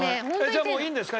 じゃあもういいんですか？